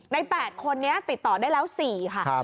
ใน๘คนนี้ติดต่อได้แล้ว๔ค่ะ